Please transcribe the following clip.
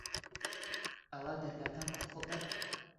ئەوا دەرگاکان بە قوفڵ دادەخەن